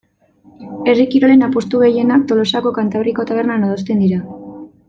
Herri kirolen apustu gehienak Tolosako Kantabriko tabernan adosten dira.